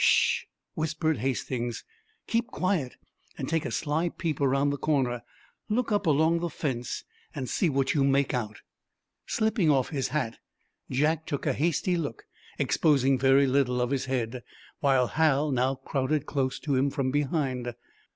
"Sh!" whispered Hastings. "Keep quiet and take a sly peep around the corner. Look up along the fence and see what you make out." Slipping off his hat, Jack took a hasty look, exposing very little of his head, while Hal now crowded close to him from behind.